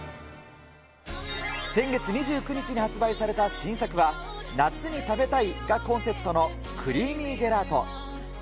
先月２９日に発売された新作は、夏に食べたい！がコンセプトのクリーミージェラート。